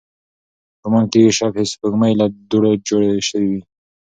ګومان کېږي، شبح سپوږمۍ له دوړو جوړې شوې وي.